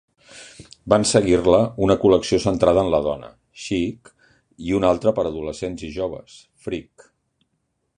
Van seguir-la una col·lecció centrada en la dona, Chic, i una per a adolescents i joves, Freek.